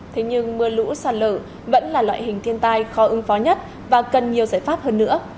thế nhưng mưa lũ sạt lở vẫn là loại hình thiên tai khó ứng phó nhất và cần nhiều giải pháp hơn nữa